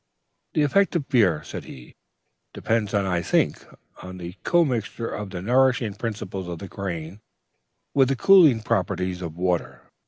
"'The effect of beer,' said he, 'depends, I think, on the commixture of the nourishing principle of the grain with the cooling properties of the water.